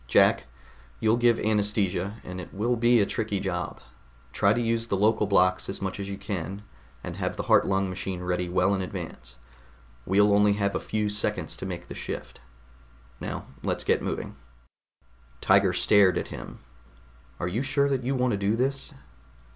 Jack, you'll give anaesthesia, and it will be a tricky job. Try to use local blocks as much as you can, and have the heart lung machine ready well in advance. We'll only have a few seconds to make the shift. Now let's get moving." Tiger stared at him. "Are you sure that you want to do this?"